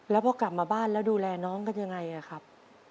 แล้วพอกลับมาบ้านแล้วดูแลน้องกันยังไงครับ